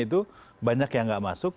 itu banyak yang nggak masuk